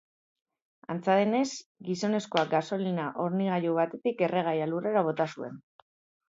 Antza denez, gizonezkoak gasolina-hornigailu batetik erregaia lurrera bota zuen.